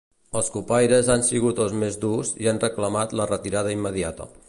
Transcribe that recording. Els cupaires han sigut els més durs i han reclamat la retirada immediata.